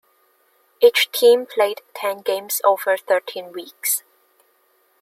Each team played ten games over thirteen weeks.